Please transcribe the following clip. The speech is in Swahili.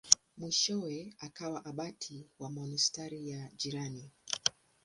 Mwishowe akawa abati wa monasteri ya jirani.